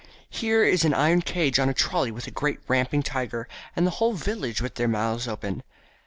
Here is an iron cage on a trolly with a great ramping tiger, and the whole village with their mouths open."